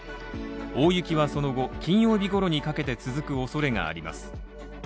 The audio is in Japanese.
大雪はその後、金曜日ごろにかけて続く恐れがあります。